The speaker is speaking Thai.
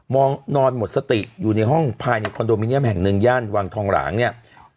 นอนหมดสติอยู่ในห้องภายในคอนโดมิเนียมแห่งหนึ่งย่านวังทองหลางเนี่ย